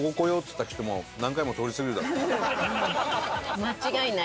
間違いない。